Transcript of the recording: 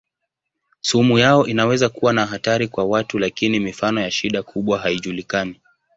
Sumu yao inaweza kuwa na hatari kwa watu lakini mifano ya shida kubwa haijulikani.